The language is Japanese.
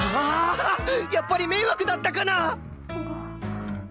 やっぱり迷惑だったかな！？